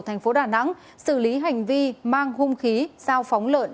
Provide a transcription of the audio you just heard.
thành phố đà nẵng xử lý hành vi mang hung khí giao phóng lợn